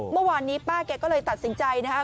เมื่อวานนี้ป้าแกก็เลยตัดสินใจนะครับ